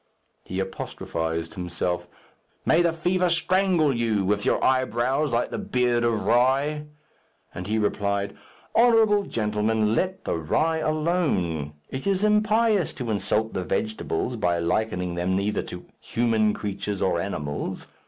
He apostrophized himself, "May the fever strangle you, with your eyebrows like the beard of rye." And he replied, "Honourable gentlemen, let the rye alone. It is impious to insult the vegetables, by likening them either to human creatures or animals.